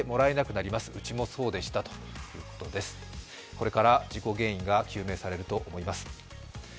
これから事故原因が究明されると思います。